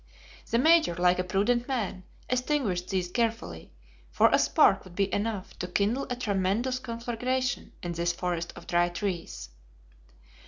The Major, like a prudent man, extinguished these carefully, for a spark would be enough to kindle a tremendous conflagration in this forest of dry trees.